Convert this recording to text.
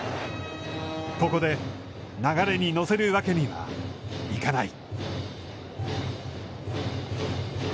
ここで、流れに乗せるわけにはいかない。